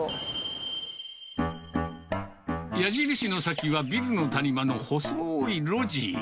矢印の先は、ビルの谷間の細い路地。